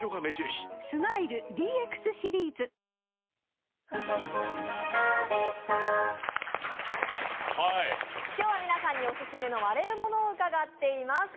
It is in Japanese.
スマイル ＤＸ シリーズ！今日は皆さんにオススメの割れるものを伺っています。